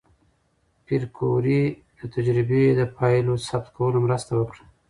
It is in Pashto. پېیر کوري د تجربې د پایلو ثبت کولو مرسته وکړه.